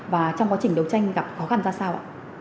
và trong quá trình đấu tranh gặp khó khăn ra sao ạ